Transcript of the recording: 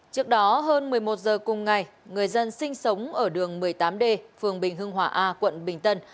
trước đó hơn một mươi một giờ cùng ngày người dân sinh sống ở đường một mươi tám d phường bình hưng hòa a quận bình tân